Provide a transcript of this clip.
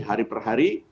hari per hari